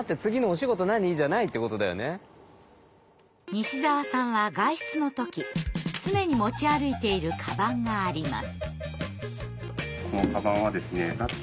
西澤さんは外出の時常に持ち歩いているカバンがあります。